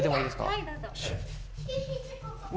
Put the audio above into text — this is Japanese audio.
はい、どうぞ。